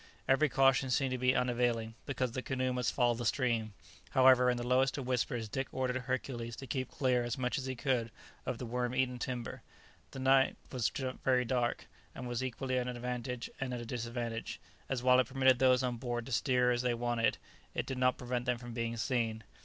Every caution seemed to be unavailing, because the canoe must follow the stream; however, in the lowest of whispers Dick ordered Hercules to keep clear as much as he could of the worm eaten timber. The night was not very dark, which was equally an advantage and a disadvantage, as while it permitted those on board to steer as they wanted, it did not prevent them from being seen.